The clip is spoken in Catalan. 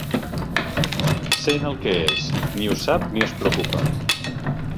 Sent el que és, ni ho sap ni es preocupa.